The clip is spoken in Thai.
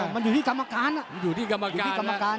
ไม่มันอยู่ที่กรรมการ